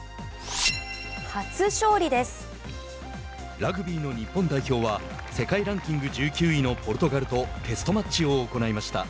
ラグビーの日本代表は世界ランキング１９位のポルトガルとテストマッチを行いました。